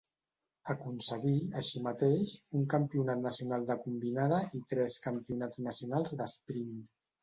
Aconseguí, així mateix, un campionat nacional de combinada i tres campionats nacionals d'esprint.